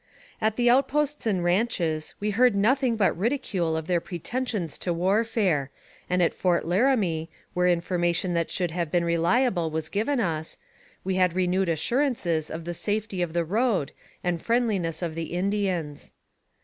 At the outposts and ranches, we heard nothing but ridicule of their pretensions to warfare, and at Fort Laramie, where information that should have been reliable was given us, we had renewed assurances of the safety of the road and friendliness of the Indians.